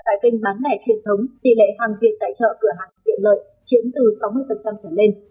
tại kênh bán mẻ truyền thống tỷ lệ hàng viên tài trợ cửa hàng tiện lợi chuyển từ sáu mươi trở lên